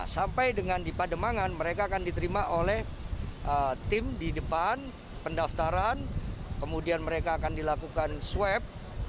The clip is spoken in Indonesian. sampai dengan di pademangan mereka akan diterima oleh tim di depan pendaftaran kemudian mereka akan dilakukan swab